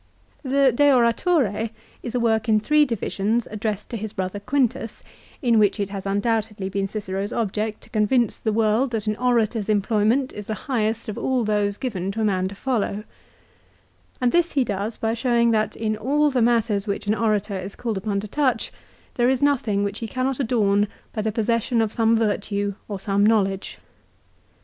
The " De Oratore " is a work in three divisions addressed to his brother Quintus in which it has undoubtedly been Cicero's object to convince the world that an orator's employ ment is the highest of all those given to a man to follow ; and this he does by showing that in all the matters which an orator is called upon to touch there is nothing which he cannot adorn by the possession of some virtue or some knowledge.